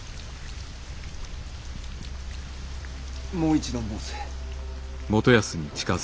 もう一度申せ。